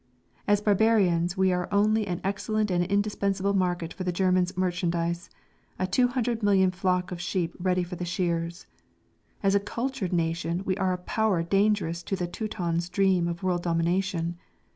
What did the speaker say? As barbarians we are only an excellent and indispensable market for the Germans' merchandise, a two hundred million flock of sheep ready for the shears. As a cultured nation we are a power dangerous to the Teuton's dream of world dominion.